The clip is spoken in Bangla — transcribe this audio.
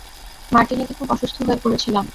মার্টিনিকে খুব অসুস্থ হয়ে পড়েছিলাম।